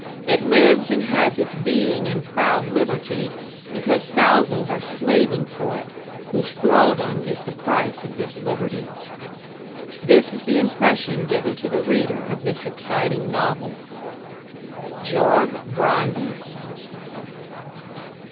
It lives and has its being in proud liberty because thousands are slaving for it, whose thraldom is the price of this liberty. This is the impression given to the reader of this exciting novel. GEORG BRANDES.